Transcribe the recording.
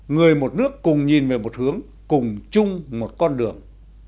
người một nước cùng nhìn về một hướng cùng chung một con đường